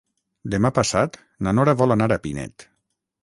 Demà passat na Nora vol anar a Pinet.